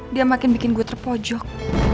dia makin bikin gue terpojok